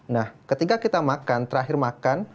nah ketika kita makan terakhir makan